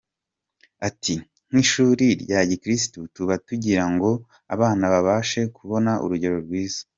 Ati”Nk’ishuri rya gikirisitu tuba tugira ngo abana babashe kubona urugero rwiza.